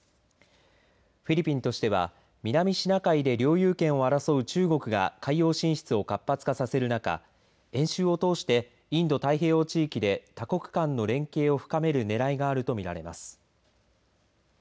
フィリピンとしては南シナ海で領有権を争う中国が海洋進出を活発化させる中演習を通してインド太平洋地域で多国間の連携を深めるねらいがあると見られます。